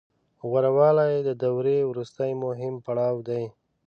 غوره والی د دورې وروستی مهم پړاو دی